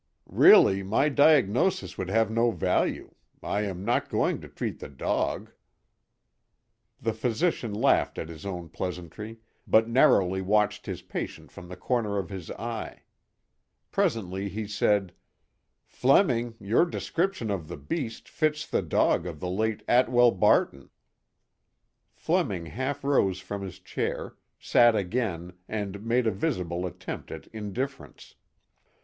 "Really, my diagnosis would have no value: I am not going to treat the dog." The physician laughed at his own pleasantry, but narrowly watched his patient from the corner of his eye. Presently he said: "Fleming, your description of the beast fits the dog of the late Atwell Barton." Fleming half rose from his chair, sat again and made a visible attempt at indifference.